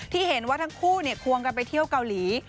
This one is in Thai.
ที่เห็นว่าทั้งคู่ควงกันไปเที่ยวเกาหลี